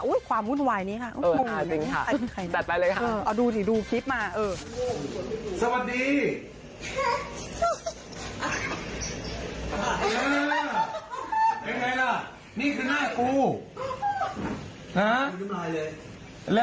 ความวุ่นวายนี้ค่ะ